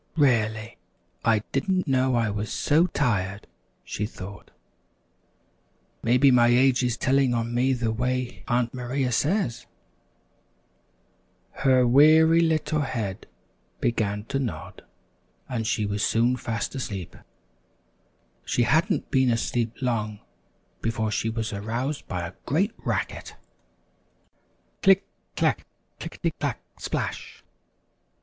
"Really, I didn't know I was so tired," she thought; "maybe my age is telling on me the way Aunt Maria says!" [Illustration: "Bubble! Bubble! Piff! Piff!"] Her weary little head began to nod, and she was soon fast asleep. She hadn't been asleep long before she was aroused by a great racket. "Click, clack! Click ety clack! Splash!"